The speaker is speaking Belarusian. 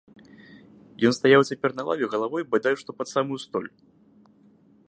Ён стаяў цяпер на лаве галавой бадай што пад самую столь.